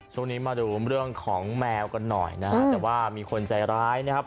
ช่วงนี้มาดูเรื่องของแมวกันหน่อยนะฮะแต่ว่ามีคนใจร้ายนะครับ